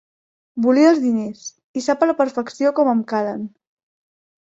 Volia els diners, i sap a la perfecció com em calen.